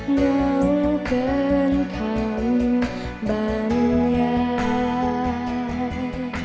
เหงาเกินคำบรรยาย